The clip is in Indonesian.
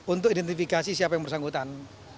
untuk identifikasi siapa yang bersangkutan